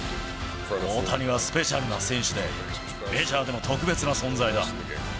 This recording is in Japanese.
大谷はスペシャルな選手で、メジャーでも特別な存在だ。